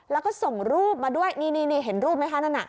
แล้วก็ส่งรูปมาด้วยนี่เห็นรูปไหมคะนั่นน่ะ